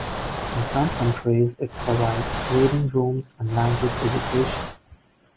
In some countries it provided reading rooms and language education.